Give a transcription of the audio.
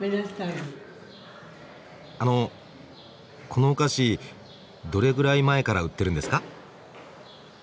あのこのお菓子どれぐらい前から売ってるんですか？